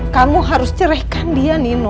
kamu harus cerehkan dia nino